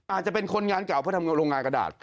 อาจจะเป็นคนงานเก่าเพราะทำงานโรงงานกระดาษ